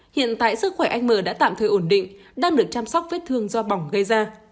hiện tại sức khỏe anh m đã tạm thời ổn định đang được chăm sóc vết thương do bỏng gây ra